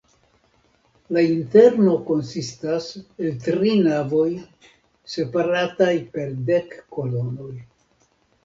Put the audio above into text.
La interno konsistas el tri navoj separataj per dek kolonoj.